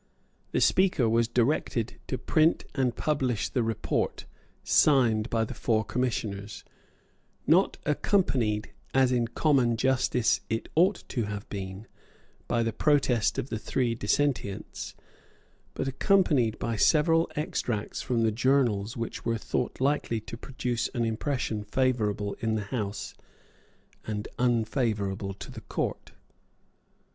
The Speaker was directed to print and publish the report signed by the four Commissioners, not accompanied, as in common justice it ought to have been, by the protest of the three dissentients, but accompanied by several extracts from the journals which were thought likely to produce an impression favourable to the House and unfavourable to the Court.